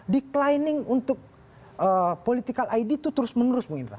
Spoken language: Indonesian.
declining untuk political id itu terus menerus bung indra